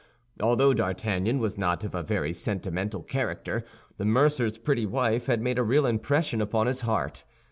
Although D'Artagnan was not of a very sentimental character, the mercer's pretty wife had made a real impression upon his heart.